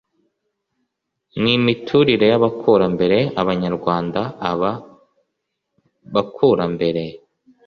n imiturire y abakurambere abanyarwanda aba bakurambere